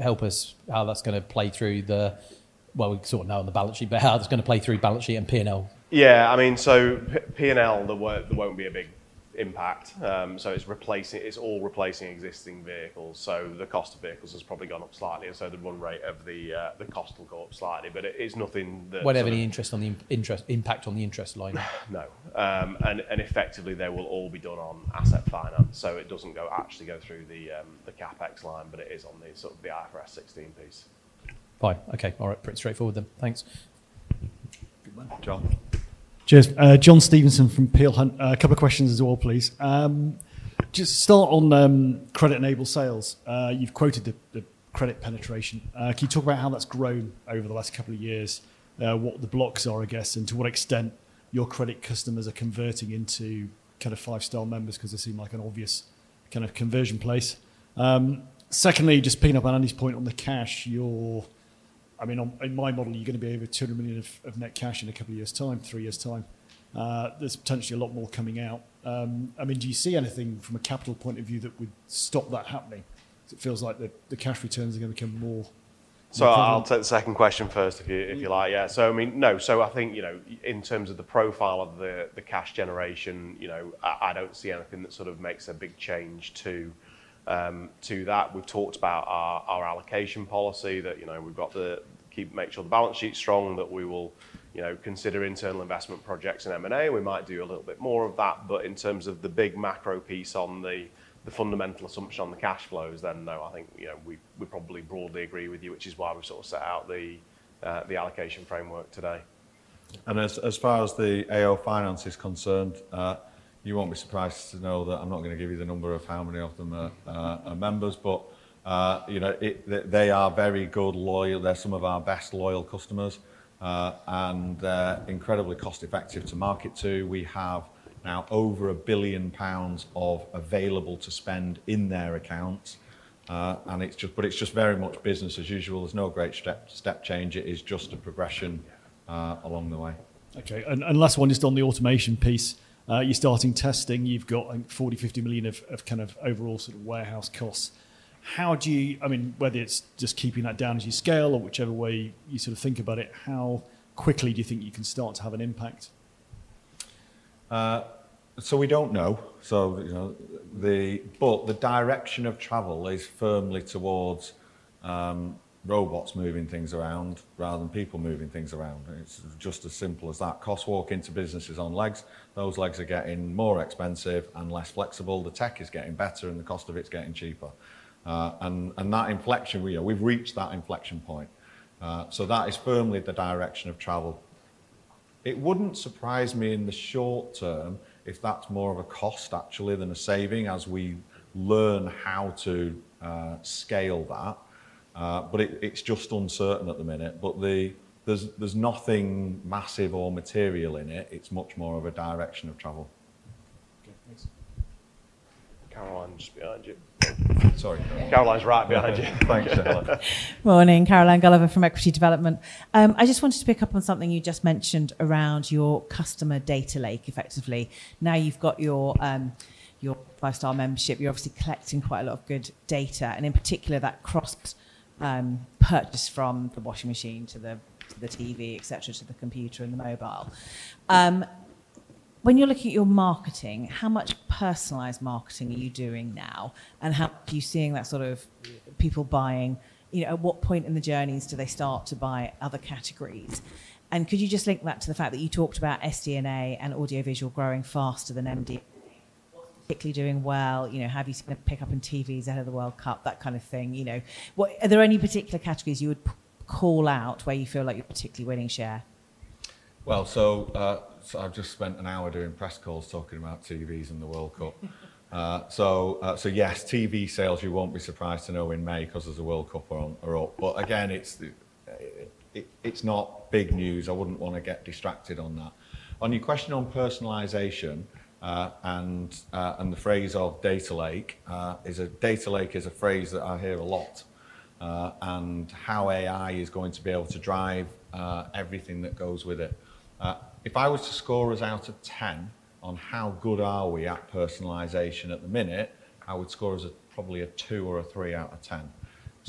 [SPEAKER 3] help us how that's going to play through the, well, we sort of know on the balance sheet, but how that's going to play through balance sheet and P&L?
[SPEAKER 1] P&L, there won't be a big impact. It's all replacing existing vehicles, the cost of vehicles has probably gone up slightly, the run rate of the cost will go up slightly, it's nothing that.
[SPEAKER 3] Won't have any impact on the interest line.
[SPEAKER 1] No. Effectively, they will all be done on asset finance, it doesn't actually go through the CapEx line, it is on the IFRS 16 piece.
[SPEAKER 3] Fine. Okay. All right. Pretty straightforward then. Thanks.
[SPEAKER 1] Good one.
[SPEAKER 2] John.
[SPEAKER 4] Cheers. John Stevenson from Peel Hunt. A couple of questions as well, please. Just to start on credit-enabled sales, you've quoted the credit penetration. Can you talk about how that's grown over the last couple of years, what the blocks are, I guess, and to what extent your credit customers are converting into Five Star members, because they seem like an obvious conversion place. Secondly, just picking up on Andy's point on the cash, in my model, you're going to be over 200 million of net cash in a couple of years' time, three years' time. There's potentially a lot more coming out. Do you see anything from a capital point of view that would stop that happening? Because it feels like the cash returns are going to become more meaningful.
[SPEAKER 1] I'll take the second question first, if you like. No. I think in terms of the profile of the cash generation, I don't see anything that makes a big change to that. We've talked about our allocation policy, that we've got to make sure the balance sheet's strong, and that we will consider internal investment projects in M&A. We might do a little bit more of that. In terms of the big macro piece on the fundamental assumption on the cash flows, then no. I think we probably broadly agree with you, which is why we set out the allocation framework today.
[SPEAKER 2] As far as the AO Finance is concerned, you won't be surprised to know that I'm not going to give you the number of how many of them are members. They are very good, They're some of our best loyal customers, and incredibly cost-effective to market to. We have now over 1 billion pounds of available to spend in their accounts, It's just very much business as usual. There's no great step change. It is just a progression along the way.
[SPEAKER 4] Last one, just on the automation piece. You're starting testing, you've got 40 million-50 million of overall warehouse costs. Whether it's just keeping that down as you scale or whichever way you think about it, how quickly do you think you can start to have an impact?
[SPEAKER 2] We don't know, but the direction of travel is firmly towards robots moving things around rather than people moving things around. It's just as simple as that. Cost walk into businesses on legs, those legs are getting more expensive and less flexible. The tech is getting better and the cost of it is getting cheaper. We've reached that inflection point. That is firmly the direction of travel. It wouldn't surprise me in the short term if that's more of a cost, actually, than a saving as we learn how to scale that, but it's just uncertain at the minute. There's nothing massive or material in it. It's much more of a direction of travel.
[SPEAKER 4] Okay, thanks.
[SPEAKER 1] Caroline, just behind you.
[SPEAKER 4] Sorry.
[SPEAKER 1] Caroline's right behind you.
[SPEAKER 4] Thanks.
[SPEAKER 5] Morning. Caroline Gulliver from Equity Development. I just wanted to pick up on something you just mentioned around your customer data lake, effectively. Now you've got your lifestyle membership, you're obviously collecting quite a lot of good data, and in particular, that crossed purchase from the washing machine to the TV, et cetera, to the computer and the mobile. When you're looking at your marketing, how much personalized marketing are you doing now, and how are you seeing that sort of people? At what point in the journeys do they start to buy other categories? Could you just link that to the fact that you talked about SDA and audiovisual growing faster than MDA. What's particularly doing well? Have you seen a pickup in TVs ahead of the World Cup? That kind of thing. Are there any particular categories you would call out where you feel like you're particularly winning share?
[SPEAKER 2] Well, I've just spent an hour doing press calls talking about TVs and the World Cup. Yes, TV sales, you won't be surprised to know in May, because there's a World Cup are up. Again, it's not big news. I wouldn't want to get distracted on that. On your question on personalization, and the phrase of data lake, data lake is a phrase that I hear a lot, and how AI is going to be able to drive everything that goes with it. If I was to score us out of 10 on how good are we at personalization at the minute, I would score us at probably a two or a three out of 10.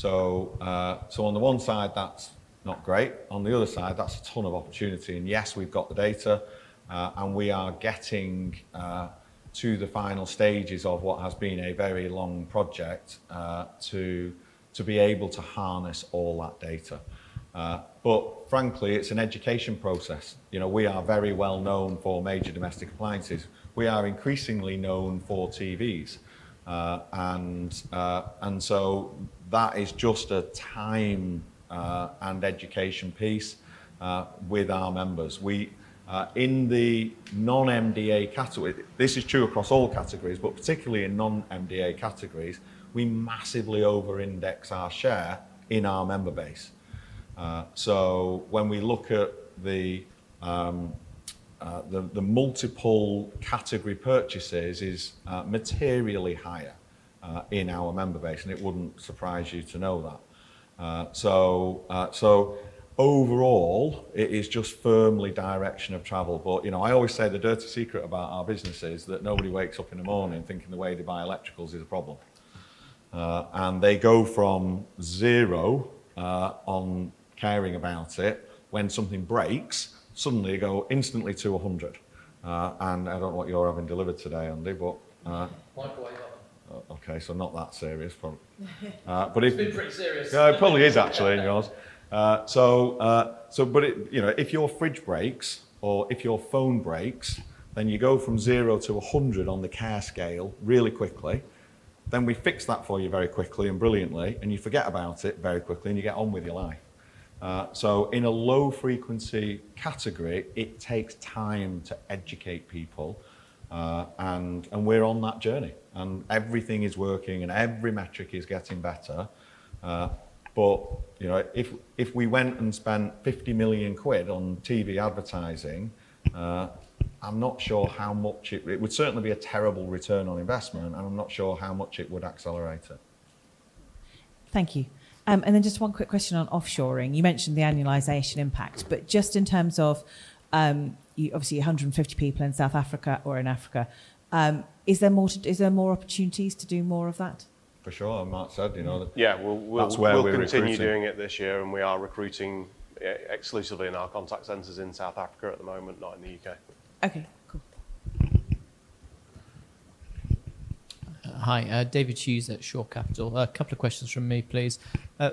[SPEAKER 2] On the one side, that's not great. On the other side, that's a ton of opportunity. Yes, we've got the data, we are getting to the final stages of what has been a very long project to be able to harness all that data. Frankly, it's an education process. We are very well known for major domestic appliances. We are increasingly known for TVs. That is just a time and education piece with our members. In the non-MDA category, this is true across all categories, but particularly in non-MDA categories, we massively over-index our share in our member base. When we look at the multiple category purchases is materially higher in our member base, and it wouldn't surprise you to know that. Overall, it is just firmly direction of travel. I always say the dirty secret about our business is that nobody wakes up in the morning thinking the way they buy electricals is a problem. They go from zero on caring about it. When something breaks, suddenly you go instantly to 100. I don't know what you're having delivered today, Andy.
[SPEAKER 3] Microwave oven.
[SPEAKER 2] Okay, not that serious.
[SPEAKER 3] It's been pretty serious.
[SPEAKER 2] If your fridge breaks or if your phone breaks, then you go from zero to 100 on the care scale really quickly, then we fix that for you very quickly and brilliantly, and you forget about it very quickly, and you get on with your life. In a low frequency category, it takes time to educate people, and we're on that journey. Everything is working, and every metric is getting better. If we went and spent 50 million quid on TV advertising, I'm not sure how much it would certainly be a terrible return on investment, and I'm not sure how much it would accelerate it.
[SPEAKER 5] Thank you. Then just one quick question on offshoring. You mentioned the annualization impact, but just in terms of, obviously 150 people in South Africa or in Africa, is there more opportunities to do more of that?
[SPEAKER 2] For sure. As Mark said, that's where we're recruiting.
[SPEAKER 1] Yeah. We will continue doing it this year, we are recruiting exclusively in our contact centers in South Africa at the moment, not in the U.K.
[SPEAKER 5] Okay, cool.
[SPEAKER 6] Hi. David Hughes at Shore Capital. A couple of questions from me, please.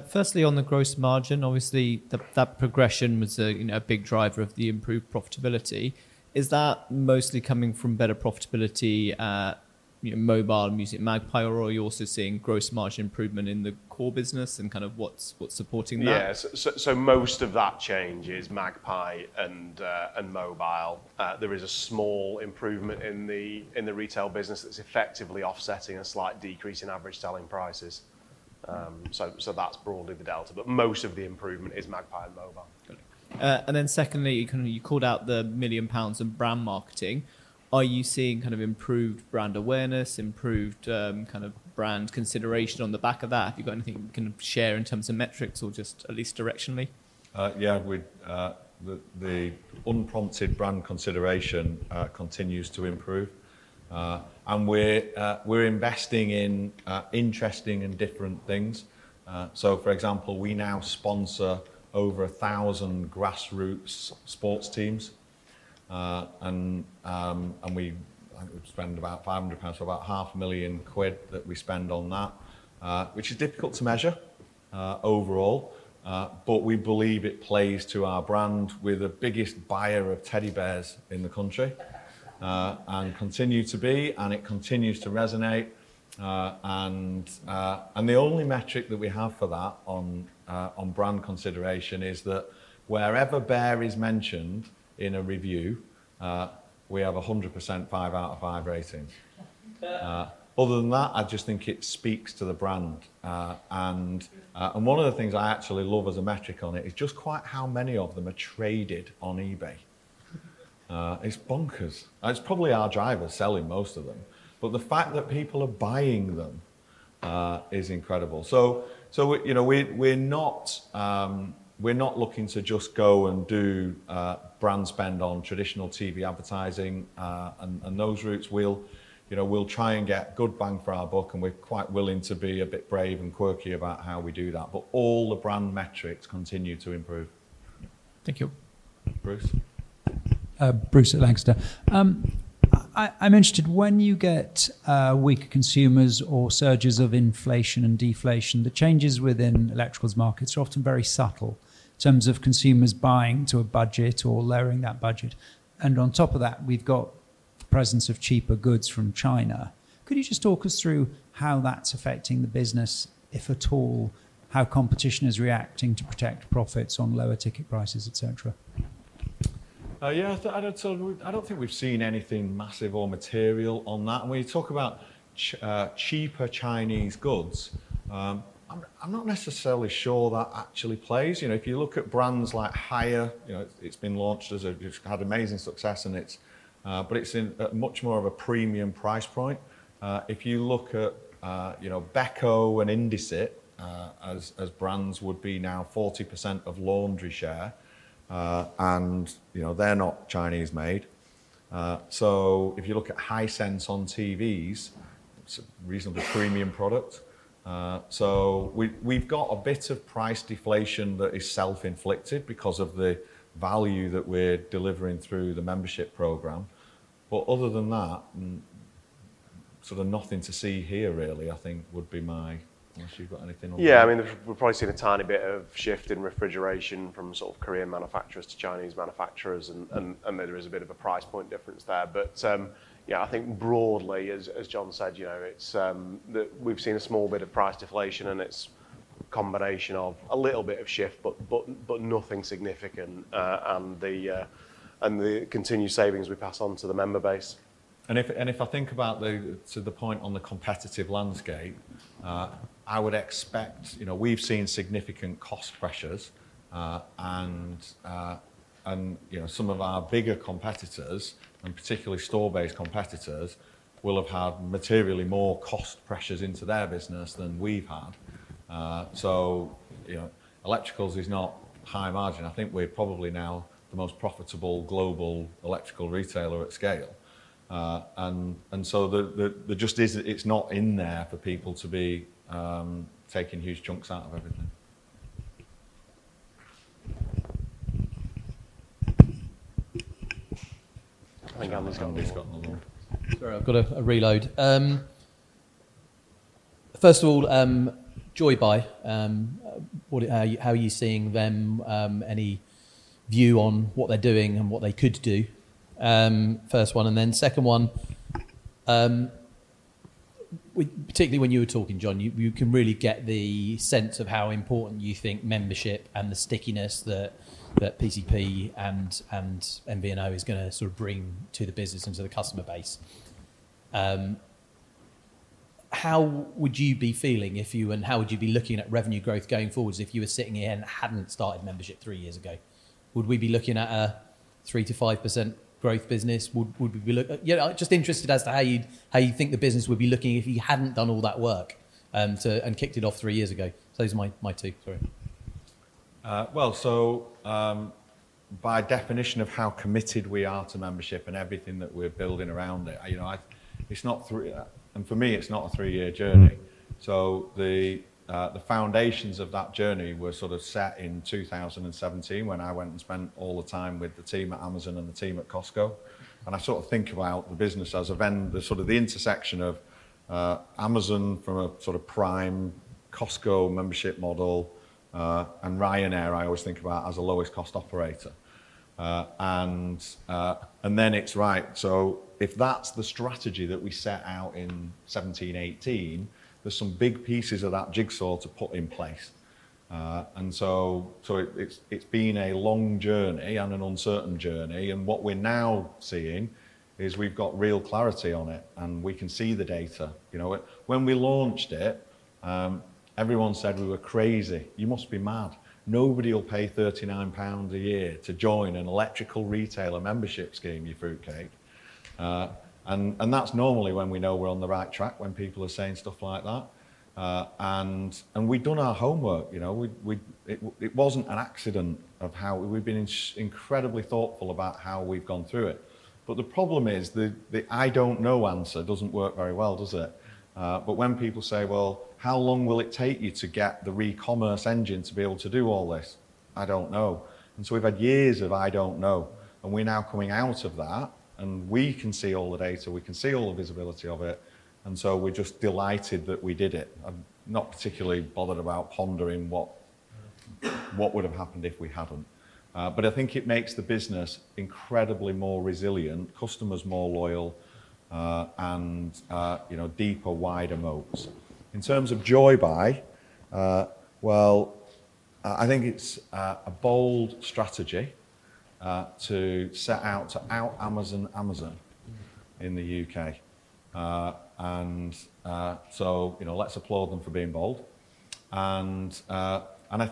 [SPEAKER 6] Firstly, on the gross margin, obviously, that progression was a big driver of the improved profitability. Is that mostly coming from better profitability at Mobile and musicMagpie, or are you also seeing gross margin improvement in the core business and what is supporting that?
[SPEAKER 1] Yes. Most of that change is musicMagpie and Mobile. There is a small improvement in the retail business that is effectively offsetting a slight decrease in average selling prices. That is broadly the delta, but most of the improvement is musicMagpie and Mobile.
[SPEAKER 6] Good. Secondly, you called out the 1 million pounds in brand marketing. Are you seeing improved brand awareness, improved brand consideration on the back of that? Have you got anything you can share in terms of metrics or just at least directionally?
[SPEAKER 2] Yeah. The unprompted brand consideration continues to improve. We're investing in interesting and different things. For example, we now sponsor over 1,000 grassroots sports teams. We, I think we spend about 500 pounds, so about half a million quid that we spend on that, which is difficult to measure overall. We believe it plays to our brand. We're the biggest buyer of teddy bears in the country, and continue to be, and it continues to resonate. The only metric that we have for that on brand consideration is that wherever bear is mentioned in a review, we have 100% five out of five rating. Other than that, I just think it speaks to the brand. One of the things I actually love as a metric on it is just quite how many of them are traded on eBay. It's bonkers. It's probably our drivers selling most of them, the fact that people are buying them is incredible. We're not looking to just go and do brand spend on traditional TV advertising, and those routes. We'll try and get good bang for our buck, and we're quite willing to be a bit brave and quirky about how we do that, all the brand metrics continue to improve.
[SPEAKER 6] Thank you.
[SPEAKER 2] Bruce.
[SPEAKER 7] Bruce at Lancaster. I'm interested, when you get weaker consumers or surges of inflation and deflation, the changes within electricals markets are often very subtle in terms of consumers buying to a budget or lowering that budget. On top of that, we've got the presence of cheaper goods from China. Could you just talk us through how that's affecting the business, if at all, how competition is reacting to protect profits on lower ticket prices, et cetera?
[SPEAKER 2] Yeah. I don't think we've seen anything massive or material on that. When you talk about cheaper Chinese goods, I'm not necessarily sure that actually plays. If you look at brands like Haier, it's had amazing success and it's but it's in a much more of a premium price point. If you look at Beko and Indesit, as brands would be now 40% of laundry share, and they're not Chinese-made. If you look at Hisense on TVs, it's a reasonably premium product. We've got a bit of price deflation that is self-inflicted because of the value that we're delivering through the membership program. Other than that, sort of nothing to see here, really. Unless you've got anything on that.
[SPEAKER 1] Yeah, we've probably seen a tiny bit of shift in refrigeration from sort of Korean manufacturers to Chinese manufacturers and there is a bit of a price point difference there. Yeah, I think broadly, as John said, we've seen a small bit of price deflation and it's a combination of a little bit of shift, but nothing significant, and the continued savings we pass on to the member base.
[SPEAKER 2] If I think about to the point on the competitive landscape, I would expect, we've seen significant cost pressures, and some of our bigger competitors, and particularly store-based competitors, will have had materially more cost pressures into their business than we've had. Electricals is not high margin. I think we're probably now the most profitable global electrical retailer at scale. The gist is, it's not in there for people to be taking huge chunks out of everything.
[SPEAKER 1] I think Andrew's got more.
[SPEAKER 3] Sorry, I've got to reload. First of all, Joybuy, how are you seeing them? Any view on what they're doing and what they could do? First one, second one, particularly when you were talking, John, you can really get the sense of how important you think membership and the stickiness that PCP and MVNO is going to sort of bring to the business and to the customer base. How would you be feeling, if you, and how would you be looking at revenue growth going forwards if you were sitting here and hadn't started membership three years ago? Would we be looking at a 3%-5% growth business? Would we be Just interested as to how you think the business would be looking if you hadn't done all that work, and kicked it off three years ago. Those are my two. Sorry.
[SPEAKER 2] By definition of how committed we are to membership and everything that we're building around it, for me, it's not a three-year journey. The foundations of that journey were sort of set in 2017 when I went and spent all the time with the team at Amazon and the team at Costco. I sort of think about the business as the sort of the intersection of Amazon from a sort of Prime Costco membership model, and Ryanair I always think about as a lowest cost operator. It's right, if that's the strategy that we set out in 2017, 2018, there's some big pieces of that jigsaw to put in place. It's been a long journey and an uncertain journey, and what we're now seeing is we've got real clarity on it, and we can see the data. When we launched it, everyone said we were crazy. You must be mad. Nobody will pay 39 pounds a year to join an electrical retailer membership scheme, you fruitcake. That's normally when we know we're on the right track, when people are saying stuff like that. We've been incredibly thoughtful about how we've gone through it. The problem is, the I don't know answer doesn't work very well, does it? When people say, "Well, how long will it take you to get the recommerce engine to be able to do all this?" I don't know. We've had years of I don't know, and we're now coming out of that, and we can see all the data. We can see all the visibility of it, and so we're just delighted that we did it. I'm not particularly bothered about pondering what would've happened if we hadn't. I think it makes the business incredibly more resilient, customers more loyal, and deeper, wider moats. In terms of Joybuy, well, I think it's a bold strategy to set out to out-Amazon Amazon in the U.K. Let's applaud them for being bold. I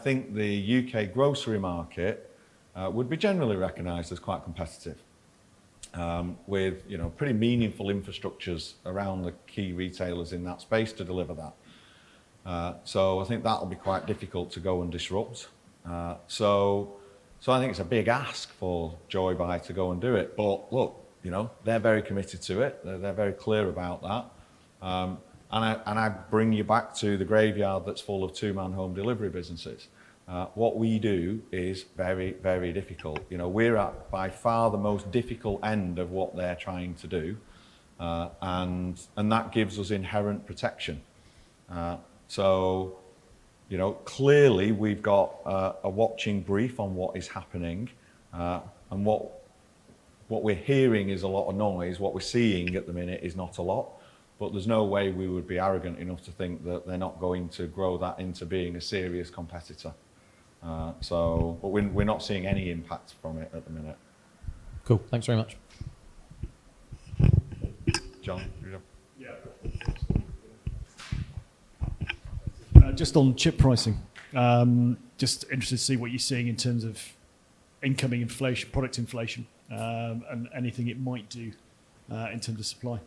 [SPEAKER 2] think the U.K. grocery market would be generally recognized as quite competitive, with pretty meaningful infrastructures around the key retailers in that space to deliver that. I think that'll be quite difficult to go and disrupt. I think it's a big ask for Joybuy to go and do it. Look, they're very committed to it. They're very clear about that. I bring you back to the graveyard that's full of two-man home delivery businesses. What we do is very difficult. We're at, by far, the most difficult end of what they're trying to do. That gives us inherent protection. Clearly, we've got a watching brief on what is happening, and what we're hearing is a lot of noise. What we're seeing at the minute is not a lot, but there's no way we would be arrogant enough to think that they're not going to grow that into being a serious competitor. We're not seeing any impact from it at the minute.
[SPEAKER 3] Cool. Thanks very much.
[SPEAKER 2] John, here you go.
[SPEAKER 4] Yeah. Just on chip pricing, just interested to see what you're seeing in terms of incoming product inflation, and anything it might do, in terms of supply.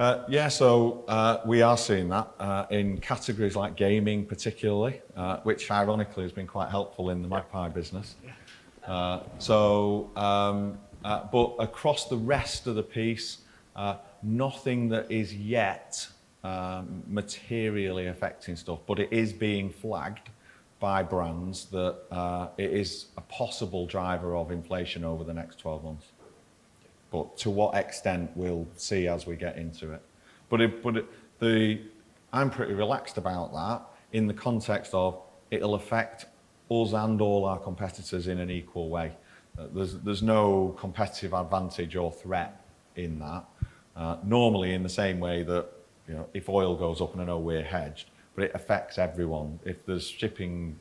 [SPEAKER 2] Yeah. We are seeing that, in categories like gaming particularly, which ironically has been quite helpful in the musicMagpie business. Across the rest of the piece, nothing that is yet materially affecting stuff, but it is being flagged by brands that it is a possible driver of inflation over the next 12 months. To what extent, we'll see as we get into it. I'm pretty relaxed about that in the context of it'll affect us and all our competitors in an equal way. There's no competitive advantage or threat in that. Normally in the same way that, if oil goes up and we're hedged, but it affects everyone. If the shipping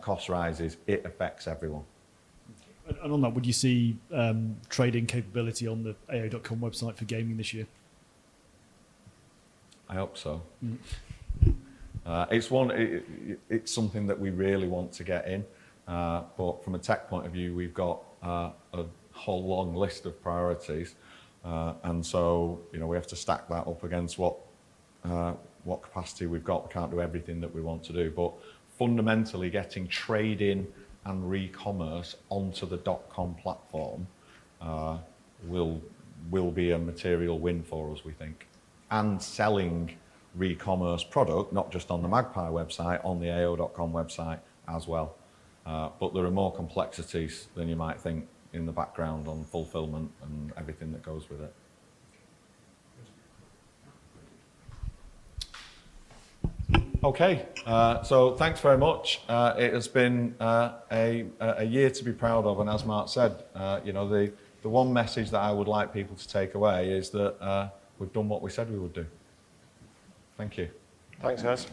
[SPEAKER 2] cost rises, it affects everyone.
[SPEAKER 4] Okay. On that, would you see trade-in capability on the ao.com website for gaming this year?
[SPEAKER 2] I hope so. It's something that we really want to get in. From a tech point of view, we've got a whole long list of priorities, so, we have to stack that up against what capacity we've got. We can't do everything that we want to do. Fundamentally, getting trade-in and recommerce onto the .com platform, will be a material win for us, we think. Selling recommerce product, not just on the musicMagpie website, on the ao.com website as well. There are more complexities than you might think in the background on fulfillment and everything that goes with it.
[SPEAKER 4] Okay. Thanks.
[SPEAKER 2] Okay. Thanks very much. It has been a year to be proud of, and as Mark said, the one message that I would like people to take away is that we've done what we said we would do. Thank you.